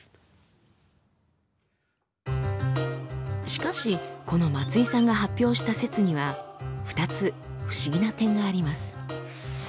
しかしこの松井さんが発表した説には２つ不思議な点があります。